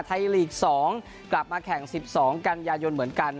ลีก๒กลับมาแข่ง๑๒กันยายนเหมือนกัน